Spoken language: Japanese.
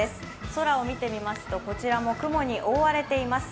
空を見てみますとこちらも雲に覆われています。